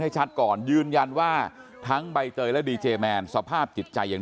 ชัดก่อนยืนยันว่าทั้งใบเตยและดีเจแมนสภาพจิตใจยัง